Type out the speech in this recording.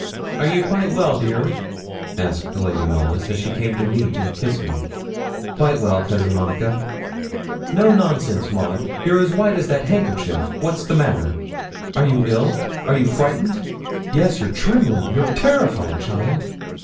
'Are you quite well, dear?' asked Lady Knollys, as she came to meet and kiss me. 'Quite well, Cousin Monica.' 'No nonsense, Maud! you're as white as that handkerchief what's the matter? Are you ill are you frightened? Yes, you're trembling you're terrified, child.'